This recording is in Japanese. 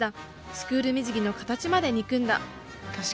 スクール水着の形まで憎んだ。